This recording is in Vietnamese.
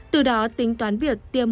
từ đó tính toán việc tiêm